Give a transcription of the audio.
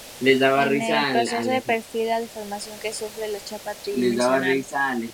En el proceso de perfilado, la deformación que sufre la chapa es tridimensional.